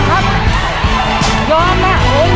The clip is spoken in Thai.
อีกลูกเท่าไหร่